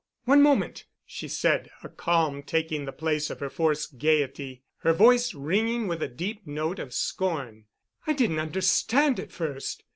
"One moment," she said, a calm taking the place of her forced gayety, her voice ringing with a deep note of scorn. "I didn't understand at first.